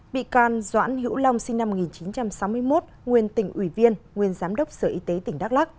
bị can doãn hữu long sinh năm một nghìn chín trăm sáu mươi một nguyên tỉnh ủy viên nguyên giám đốc sở y tế tỉnh đắk lắc